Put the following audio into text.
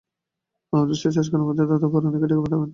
আমার বিশ্বাস আজকালের মধ্যেই দাদা বউরানীকে ডেকে পাঠাবেন।